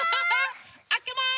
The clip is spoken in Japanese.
あけます！